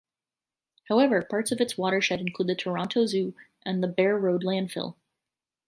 However, parts of its watershed include the Toronto Zoo and the Beare Road Landfill.